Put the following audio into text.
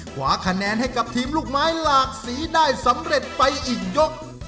ขวาคะแนนให้กับทีมลูกไม้หลากสีได้สำเร็จไปอีกยก